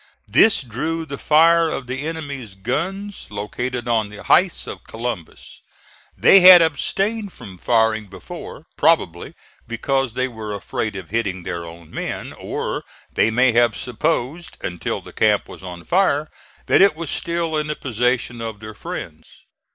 This drew the fire of the enemy's guns located on the heights of Columbus. They had abstained from firing before, probably because they were afraid of hitting their own men; or they may have supposed, until the camp was on fire, that it was still in the possession of their friends.